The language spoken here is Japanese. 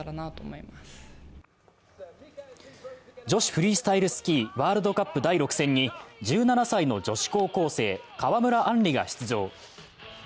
女子フリースタイルスキー・ワールドカップ第６戦に１７歳の女子高校生、川村あんりが出場。